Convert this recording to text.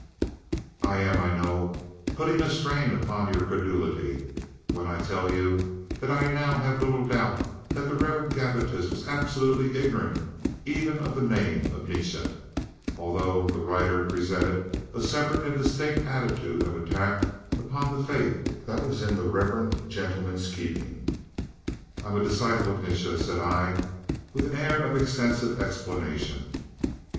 I am, I know, putting a strain upon your credulity when I tell you that I now have little doubt that the Rev. Gabbitas was absolutely ignorant even of the name of Nietzsche, although that writer presented a separate and distinct attitude of attack upon the faith that was in the reverend gentleman's keeping. "I'm a disciple of Nietzsche," said I, with an air of extensive explanation.